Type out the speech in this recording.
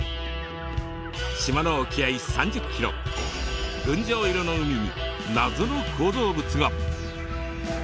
島の沖合３０ｋｍ群青色の海に謎の構造物が。